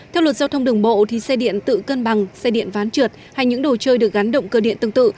theo luật giao thông đường bộ thì xe điện tự cân bằng xe điện ván trượt hay những đồ chơi được gắn động cơ điện tương tự